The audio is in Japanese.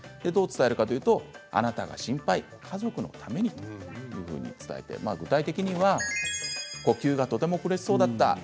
どう伝えるかというとあなたが心配、家族のためにと伝えて、具体的には呼吸がとても苦しそうだった。